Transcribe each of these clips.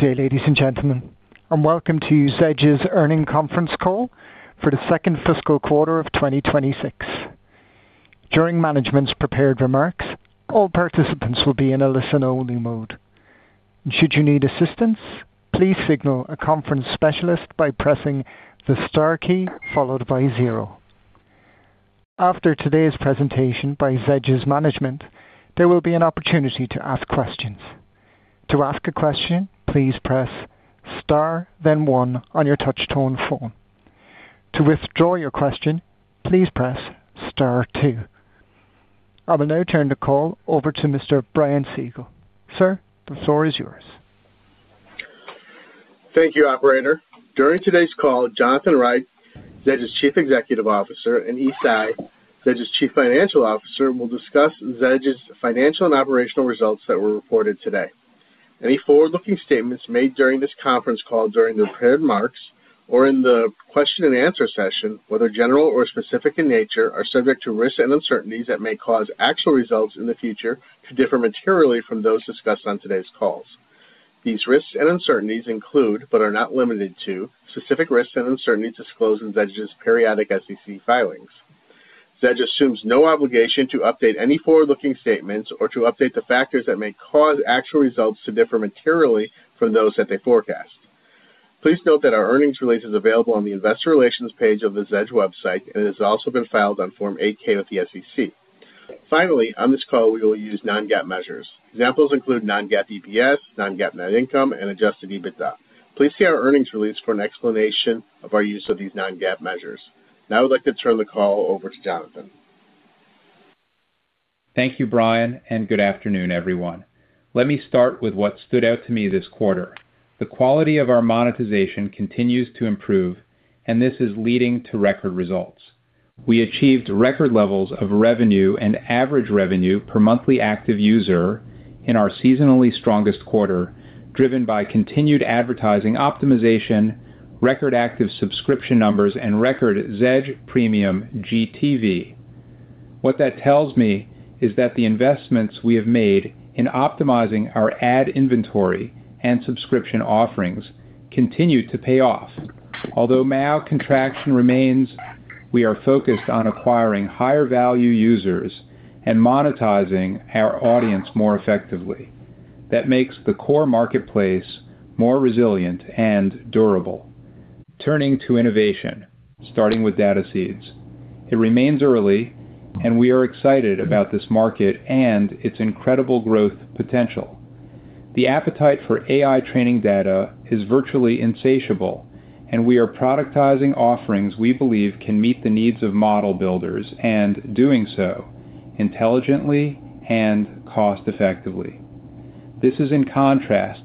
Good day, ladies and gentlemen, and welcome to Zedge's Earnings Conference Call for the second fiscal quarter of 2026. During management's prepared remarks, all participants will be in a listen-only mode. Should you need assistance, please signal a conference specialist by pressing the star key followed by zero. After today's presentation by Zedge's management, there will be an opportunity to ask questions. To ask a question, please press star then one on your touchtone phone. To withdraw your question, please press star two. I will now turn the call over to Mr. Brian Siegel. Sir, the floor is yours. Thank you, operator. During today's call, Jonathan Reich, Zedge's Chief Executive Officer, and Yi Tsai, Zedge's Chief Financial Officer, will discuss Zedge's financial and operational results that were reported today. Any forward-looking statements made during this conference call during the prepared remarks or in the question and answer session, whether general or specific in nature, are subject to risks and uncertainties that may cause actual results in the future to differ materially from those discussed on today's calls. These risks and uncertainties include, but are not limited to, specific risks and uncertainties disclosed in Zedge's periodic SEC filings. Zedge assumes no obligation to update any forward-looking statements or to update the factors that may cause actual results to differ materially from those that they forecast. Please note that our earnings release is available on the investor relations page of the Zedge website and has also been filed on Form 8-K with the SEC. Finally, on this call, we will use non-GAAP measures. Examples include non-GAAP EPS, non-GAAP net income and Adjusted EBITDA. Please see our earnings release for an explanation of our use of these non-GAAP measures. Now I would like to turn the call over to Jonathan. Thank you, Brian, and good afternoon, everyone. Let me start with what stood out to me this quarter. The quality of our monetization continues to improve and this is leading to record results. We achieved record levels of revenue and average revenue per monthly active user in our seasonally strongest quarter, driven by continued advertising optimization, record active subscription numbers and record Zedge Premium GTV. What that tells me is that the investments we have made in optimizing our ad inventory and subscription offerings continue to pay off. Although MAU contraction remains, we are focused on acquiring higher value users and monetizing our audience more effectively. That makes the core marketplace more resilient and durable. Turning to innovation, starting with DataSeeds.AI. It remains early and we are excited about this market and its incredible growth potential. The appetite for AI training data is virtually insatiable, and we are productizing offerings we believe can meet the needs of model builders and doing so intelligently and cost-effectively. This is in contrast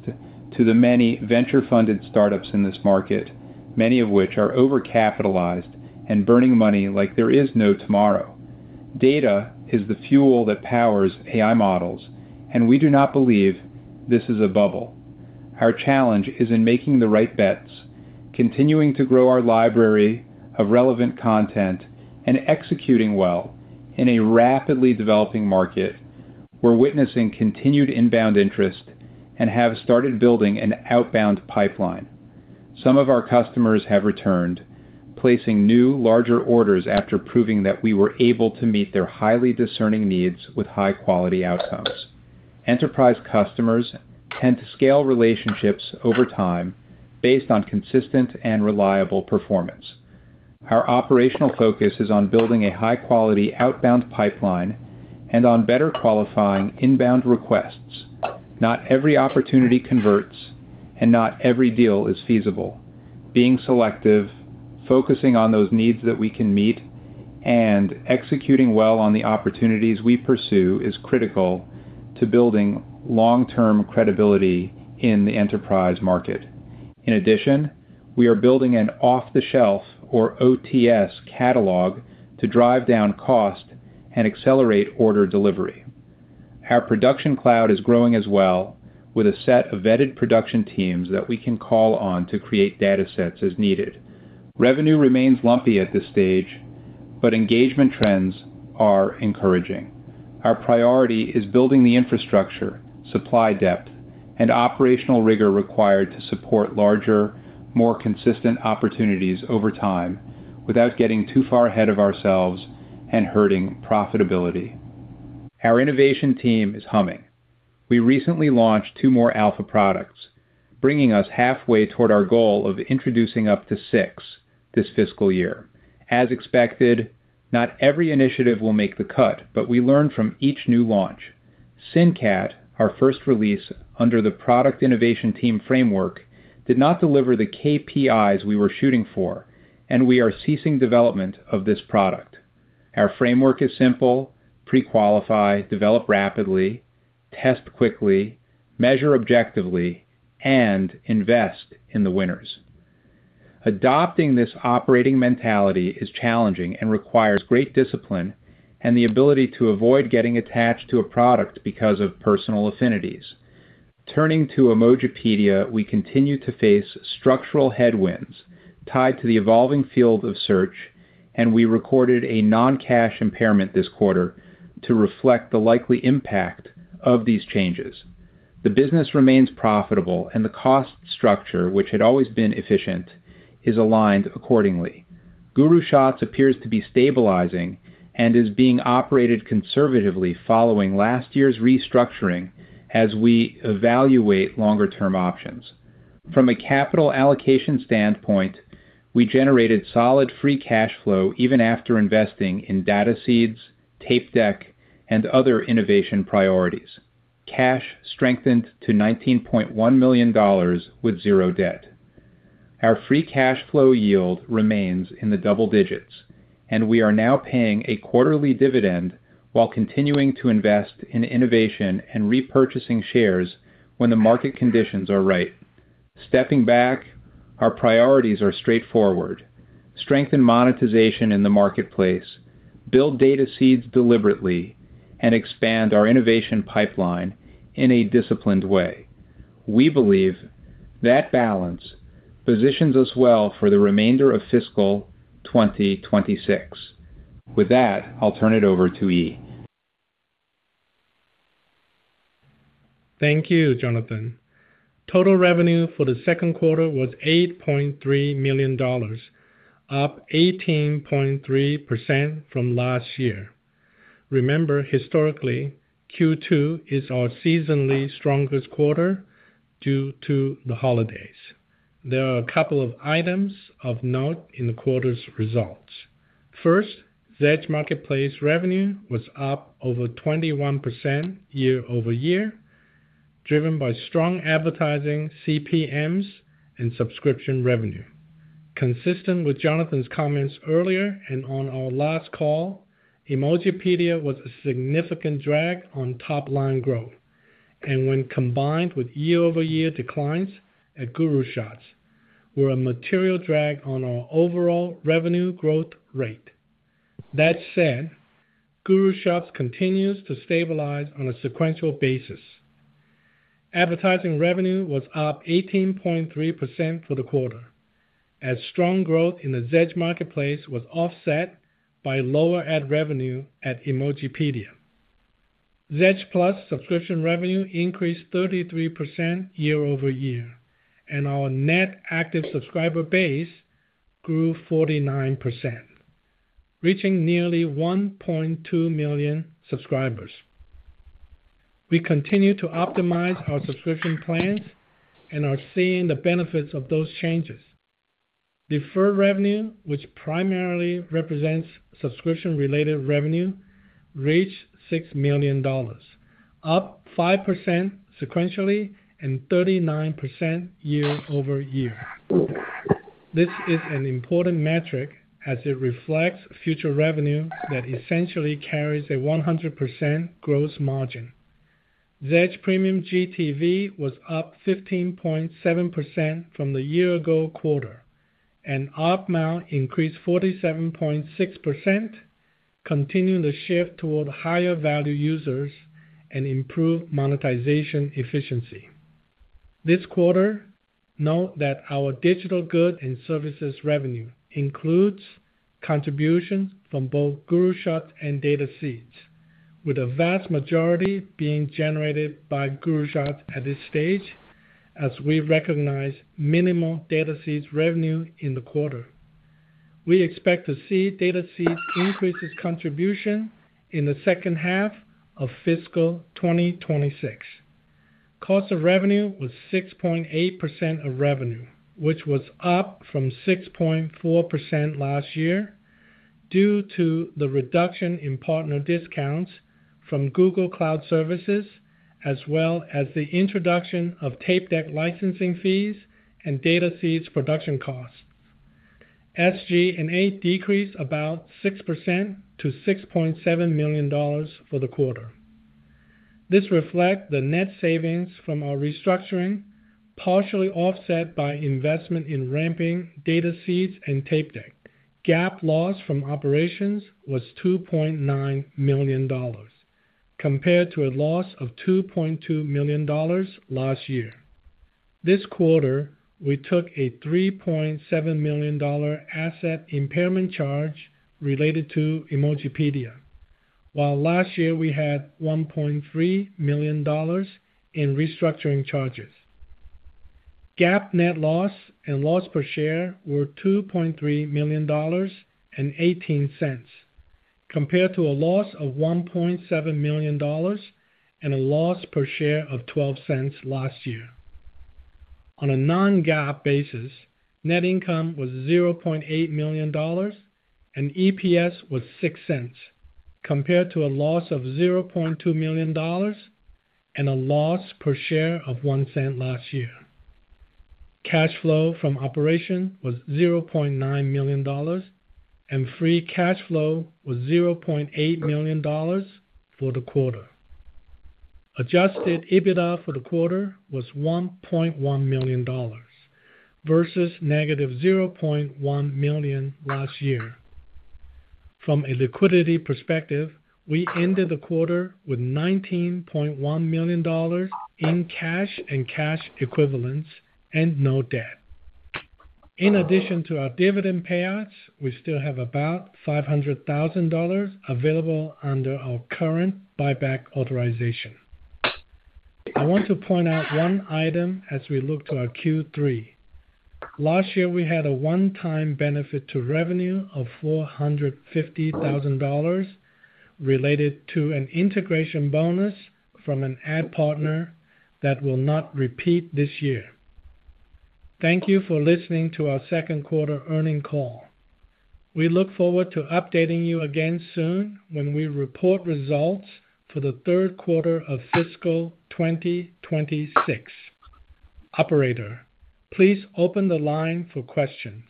to the many venture-funded startups in this market, many of which are overcapitalized and burning money like there is no tomorrow. Data is the fuel that powers AI models, and we do not believe this is a bubble. Our challenge is in making the right bets, continuing to grow our library of relevant content, and executing well in a rapidly developing market. We're witnessing continued inbound interest and have started building an outbound pipeline. Some of our customers have returned, placing new, larger orders after proving that we were able to meet their highly discerning needs with high-quality outcomes. Enterprise customers tend to scale relationships over time based on consistent and reliable performance. Our operational focus is on building a high-quality outbound pipeline and on better qualifying inbound requests. Not every opportunity converts and not every deal is feasible. Being selective, focusing on those needs that we can meet, and executing well on the opportunities we pursue is critical to building long-term credibility in the enterprise market. In addition, we are building an off-the-shelf or ots catalog to drive down cost and accelerate order delivery. Our production cloud is growing as well with a set of vetted production teams that we can call on to create data sets as needed. Revenue remains lumpy at this stage, but engagement trends are encouraging. Our priority is building the infrastructure, supply depth, and operational rigor required to support larger, more consistent opportunities over time without getting too far ahead of ourselves and hurting profitability. Our innovation team is humming. We recently launched two more alpha products, bringing us halfway toward our goal of introducing up to six this fiscal year. As expected, not every initiative will make the cut, but we learn from each new launch. Syncat, our first release under the Product Innovation Team framework, did not deliver the KPIs we were shooting for, and we are ceasing development of this product. Our framework is simple. Pre-qualify, develop rapidly, test quickly, measure objectively, and invest in the winners. Adopting this operating mentality is challenging and requires great discipline and the ability to avoid getting attached to a product because of personal affinities. Turning to Emojipedia, we continue to face structural headwinds tied to the evolving field of search. We recorded a non-cash impairment this quarter to reflect the likely impact of these changes. The business remains profitable and the cost structure, which had always been efficient, is aligned accordingly. GuruShots appears to be stabilizing and is being operated conservatively following last year's restructuring as we evaluate longer-term options. From a capital allocation standpoint, we generated solid free cash flow even after investing in DataSeeds, Tapedeck, and other innovation priorities. Cash strengthened to $19.1 million with zero debt. Our free cash flow yield remains in the double-digits, and we are now paying a quarterly dividend while continuing to invest in innovation and repurchasing shares when the market conditions are right. Stepping back, our priorities are straightforward. Strengthen monetization in the marketplace, build DataSeeds deliberately, and expand our innovation pipeline in a disciplined way. We believe that balance positions us well for the remainder of fiscal 2026. With that, I'll turn it over to Yi. Thank you, Jonathan. Total revenue for the second quarter was $8.3 million, up 18.3% from last year. Remember, historically, Q2 is our seasonally strongest quarter due to the holidays. There are a couple of items of note in the quarter's results. First, Zedge Marketplace revenue was up over 21% year-over-year, driven by strong advertising, CPMs, and subscription revenue. Consistent with Jonathan's comments earlier and on our last call, Emojipedia was a significant drag on top-line growth. When combined with year-over-year declines at GuruShots were a material drag on our overall revenue growth rate. That said, GuruShots continues to stabilize on a sequential basis. Advertising revenue was up 18.3% for the quarter, as strong growth in the Zedge Marketplace was offset by lower ad revenue at Emojipedia. Zedge Plus subscription revenue increased 33% year-over-year, and our net active subscriber base grew 49%, reaching nearly 1.2 million subscribers. We continue to optimize our subscription plans and are seeing the benefits of those changes. Deferred revenue, which primarily represents subscription-related revenue, reached $6 million, up 5% sequentially and 39% year-over-year. This is an important metric as it reflects future revenue that essentially carries a 100% gross margin. Zedge Premium GTV was up 15.7% from the year-ago quarter, and ARPM increased 47.6%, continuing the shift toward higher-value users and improved monetization efficiency. This quarter, note that our digital goods and services revenue includes contributions from both GuruShots and DataSeeds.AI, with a vast majority being generated by GuruShots at this stage, as we recognize minimal DataSeeds.AI revenue in the quarter. We expect to see DataSeeds.AI increase its contribution in the second half of fiscal 2026. Cost of revenue was 6.8% of revenue, which was up from 6.4% last year due to the reduction in partner discounts from Google Cloud Platform, as well as the introduction of Tapedeck licensing fees and DataSeeds.AI production costs. SG&A decreased about 6% to $6.7 million for the quarter. This reflects the net savings from our restructuring, partially offset by investment in ramping DataSeeds.AI and Tapedeck. GAAP loss from operations was $2.9 million, compared to a loss of $2.2 million last year. This quarter, we took a $3.7 million asset impairment charge related to Emojipedia, while last year we had $1.3 million in restructuring charges. GAAP net loss and loss per share were $2.3 million and $0.18, compared to a loss of $1.7 million and a loss per share of $0.12 last year. On a non-GAAP basis, net income was $0.8 million and EPS was $0.06, compared to a loss of $0.2 million and a loss per share of $0.01 last year. Cash flow from operation was $0.9 million, and free cash flow was $0.8 million for the quarter. Adjusted EBITDA for the quarter was $1.1 million versus negative $0.1 million last year. From a liquidity perspective, we ended the quarter with $19.1 million in cash and cash equivalents and no debt. In addition to our dividend payouts, we still have about $500,000 available under our current buyback authorization. I want to point out one item as we look to our Q3. Last year, we had a one-time benefit to revenue of $450,000 related to an integration bonus from an ad partner that will not repeat this year. Thank you for listening to our second quarter earnings call. We look forward to updating you again soon when we report results for the third quarter of fiscal 2026. Operator, please open the line for questions.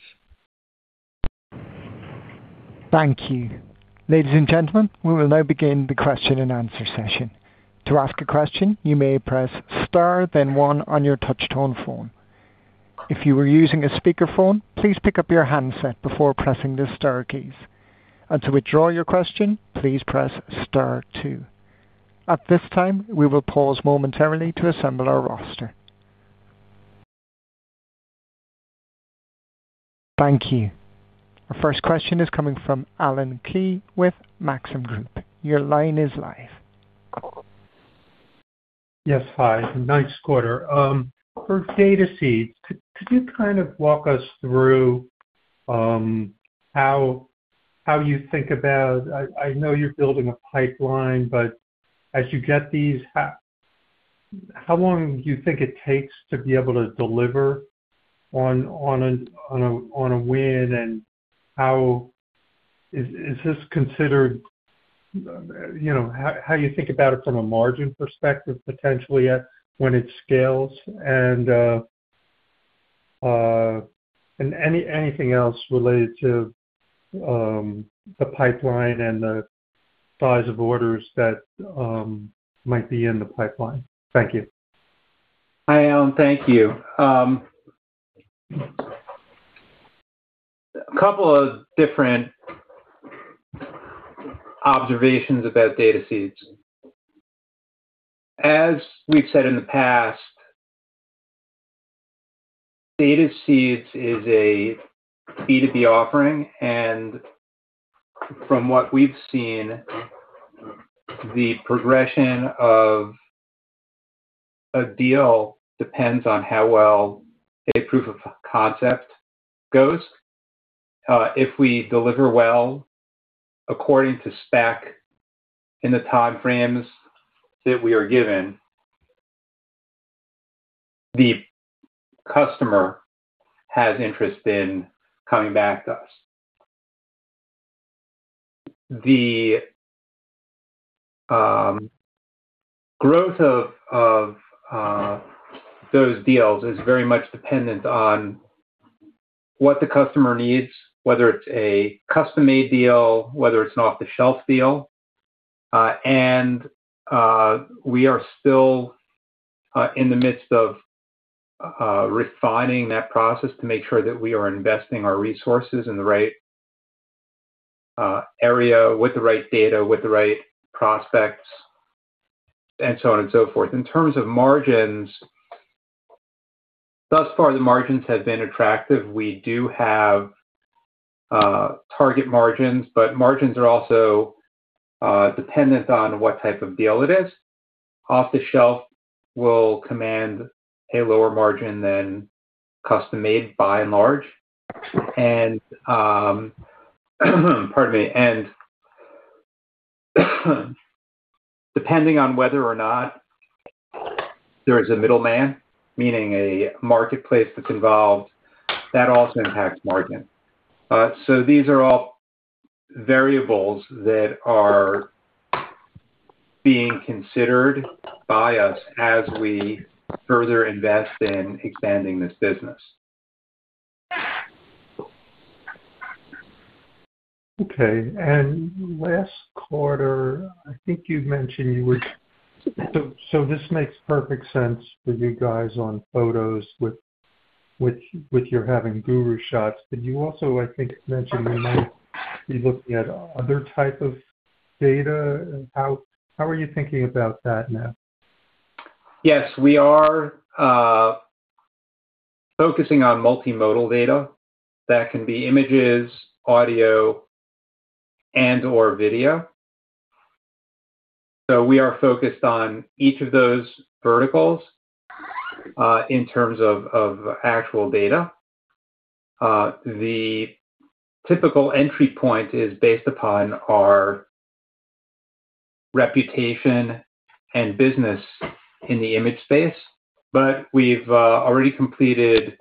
Thank you. Ladies and gentlemen, we will now begin the question-and-answer session. To ask a question, you may press star, then one on your touch-tone phone. If you are using a speakerphone, please pick up your handset before pressing the star keys. To withdraw your question, please press star two. At this time, we will pause momentarily to assemble our roster. Thank you. Our first question is coming from Allen Klee with Maxim Group. Your line is live. Yes. Hi. Nice quarter. For DataSeeds, could you kind of walk us through how you think about I know you're building a pipeline, but as you get these, how long do you think it takes to be able to deliver on a win? How is this considered, you know, how you think about it from a margin perspective, potentially at when it scales? Anything else related to the pipeline and the size of orders that might be in the pipeline. Thank you. Hi, Allen. Thank you. A couple of different observations about DataSeeds.AI. As we've said in the past, DataSeeds.AI is a B2B offering. From what we've seen, the progression of a deal depends on how well a proof of concept goes. If we deliver well according to spec in the time frames that we are given, the customer has interest in coming back to us. The growth of those deals is very much dependent on what the customer needs, whether it's a custom-made deal, whether it's an off-the-shelf deal. We are still in the midst of refining that process to make sure that we are investing our resources in the right area with the right data, with the right prospects, and so on and so forth. In terms of margins, thus far the margins have been attractive. We do have target margins, but margins are also dependent on what type of deal it is. Off-the-shelf will command a lower margin than custom-made by and large. Pardon me. Depending on whether or not there is a middleman, meaning a marketplace that's involved, that also impacts margin. These are all variables that are being considered by us as we further invest in expanding this business. Okay. Last quarter, I think you've mentioned. This makes perfect sense for you guys on photos with your having GuruShots. You also, I think, mentioned you might be looking at other type of data. How are you thinking about that now? Yes, we are focusing on multimodal data. That can be images, audio, and/or video. We are focused on each of those verticals in terms of actual data. The typical entry point is based upon our reputation and business in the image space. We've already completed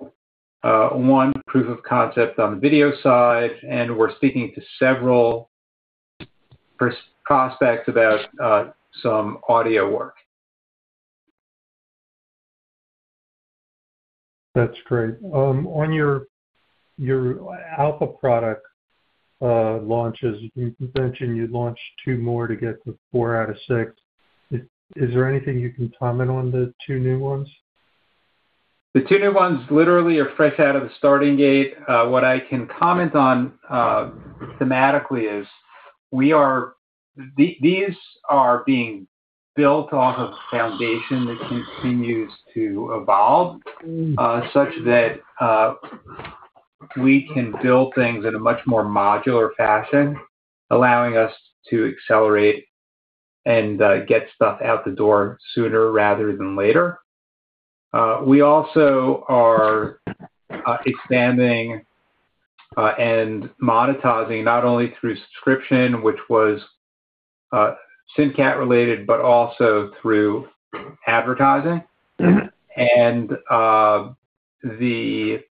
one proof of concept on the video side, and we're speaking to several prospects about some audio work. That's great. On your alpha product launches, you mentioned you'd launched two more to get to four out of six. Is there anything you can comment on the two new ones? The two new ones literally are fresh out of the starting gate. What I can comment on thematically is these are being built off of foundation that continues to evolve such that we can build things in a much more modular fashion, allowing us to accelerate and get stuff out the door sooner rather than later. We also are expanding and monetizing not only through subscription, which was Syncat related, but also through advertising. The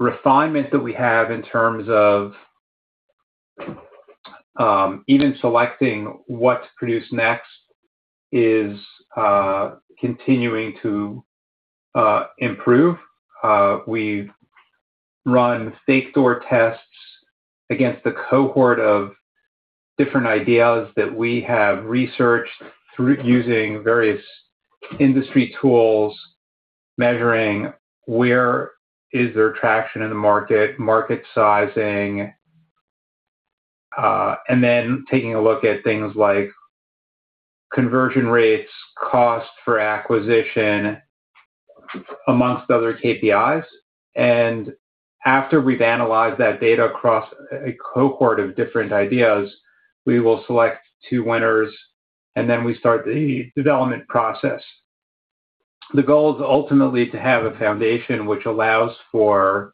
refinement that we have in terms of even selecting what to produce next is continuing to improve. We've run fake door tests against the cohort of different ideas that we have researched through using various industry tools, measuring where is there traction in the market sizing, and then taking a look at things like conversion rates, cost per acquisition, among other KPIs. After we've analyzed that data across a cohort of different ideas, we will select two winners, and then we start the development process. The goal is ultimately to have a foundation which allows for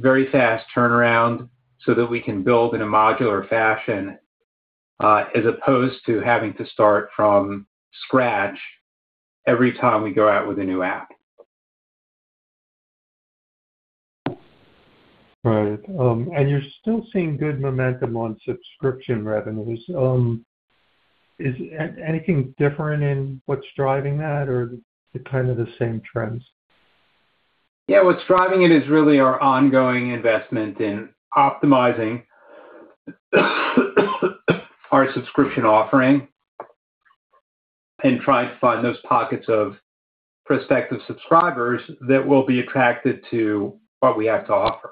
very fast turnaround so that we can build in a modular fashion, as opposed to having to start from scratch every time we go out with a new app. Right. You're still seeing good momentum on subscription revenues. Is anything different in what's driving that or kind of the same trends? Yeah. What's driving it is really our ongoing investment in optimizing our subscription offering and trying to find those pockets of prospective subscribers that will be attracted to what we have to offer.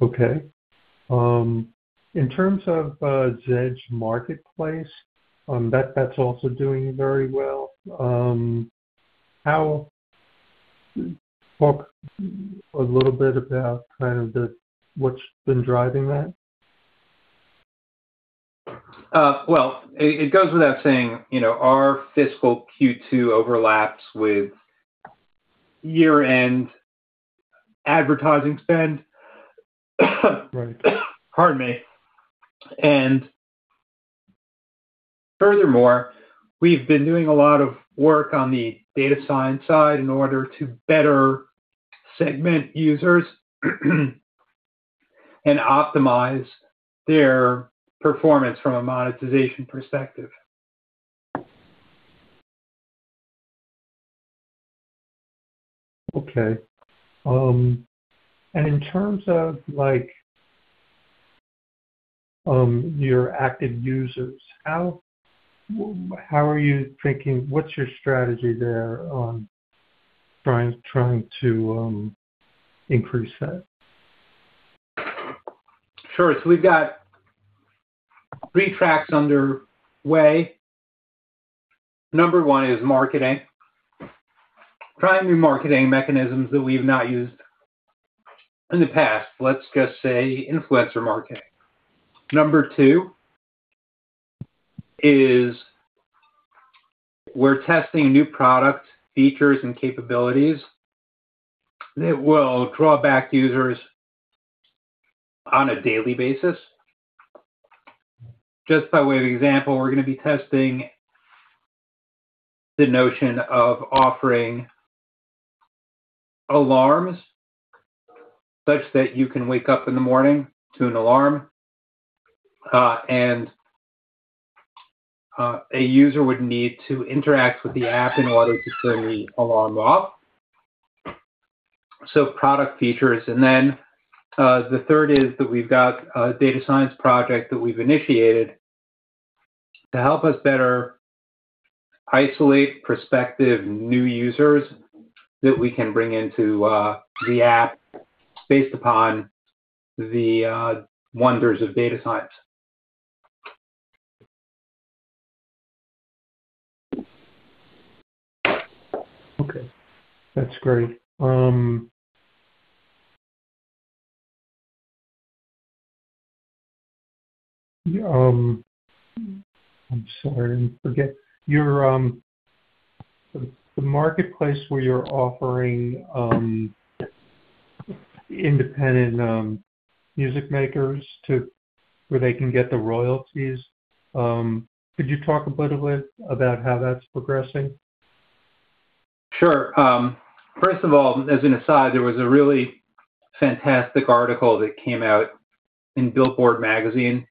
Okay. In terms of Zedge Marketplace, that's also doing very well. Talk a little bit about kind of what's been driving that. Well, it goes without saying, you know, our fiscal Q2 overlaps with year-end advertising spend. Right. Pardon me. Furthermore, we've been doing a lot of work on the data science side in order to better segment users and optimize their performance from a monetization perspective. Okay. In terms of, like, your active users, what's your strategy there on trying to increase that? Sure. We've got three tracks underway. Number one is marketing. Trying new marketing mechanisms that we've not used in the past. Let's just say influencer marketing. Number two is we're testing new product features and capabilities that will draw back users on a daily basis. Just by way of example, we're gonna be testing the notion of offering alarms such that you can wake up in the morning to an alarm. A user would need to interact with the app in order to turn the alarm off. Product features. The third is that we've got a data science project that we've initiated to help us better isolate prospective new users that we can bring into the app based upon the wonders of data science. Okay. That's great. I'm sorry. I forget. The marketplace where you're offering independent music makers to where they can get the royalties, could you talk a little bit about how that's progressing? Sure. First of all, as an aside, there was a really fantastic article that came out in Billboard magazine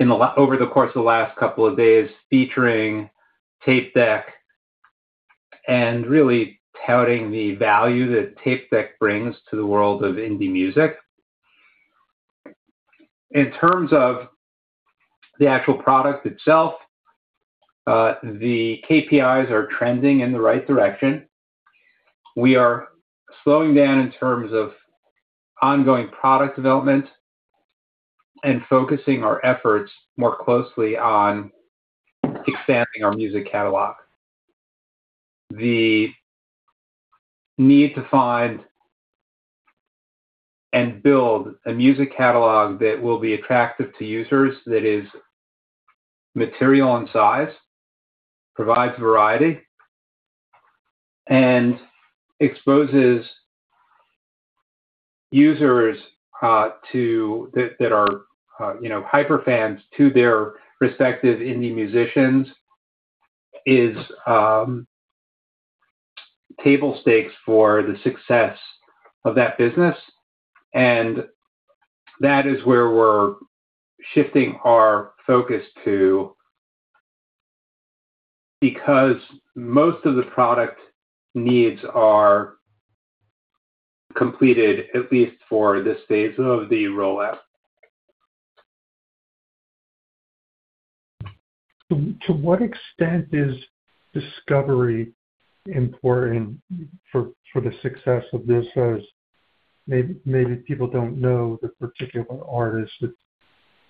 over the course of the last couple of days, featuring Tapedeck and really touting the value that Tapedeck brings to the world of indie music. In terms of the actual product itself, the KPIs are trending in the right direction. We are slowing down in terms of ongoing product development and focusing our efforts more closely on expanding our music catalog. The need to find and build a music catalog that will be attractive to users, that is material in size, provides variety, and exposes users that are, you know, hyper fans to their respective indie musicians is table stakes for the success of that business. That is where we're shifting our focus to because most of the product needs are completed, at least for this phase of the rollout. To what extent is discovery important for the success of this? As maybe people don't know the particular artist that.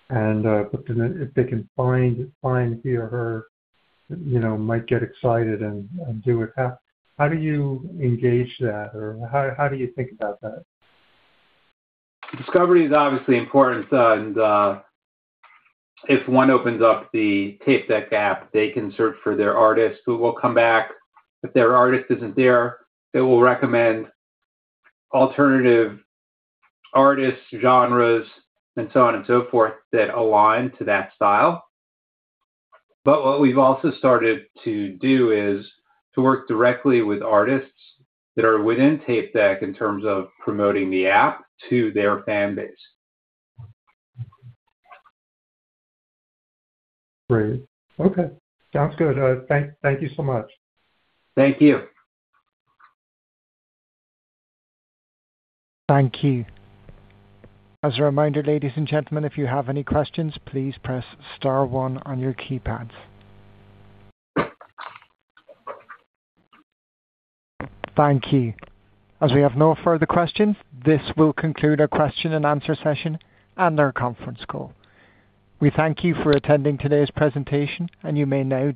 If they can find he or her, you know, might get excited and do it. How do you engage that? How do you think about that? Discovery is obviously important. If one opens up the Tapedeck app, they can search for their artist who will come back. If their artist isn't there, it will recommend alternative artists, genres, and so on and so forth that align to that style. What we've also started to do is to work directly with artists that are within Tapedeck in terms of promoting the app to their fan base. Great. Okay. Sounds good. Thank you so much. Thank you. Thank you. As a reminder, ladies and gentlemen, if you have any questions, please press star one on your keypads. Thank you. As we have no further questions, this will conclude our question and answer session and our conference call. We thank you for attending today's presentation, and you may now disconnect.